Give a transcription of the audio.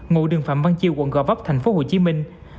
ngụ đường phạm văn chiêu quận gò vấp thành phố hồ chí minh